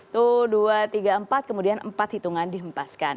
tuh dua tiga empat kemudian empat hitungan dihempaskan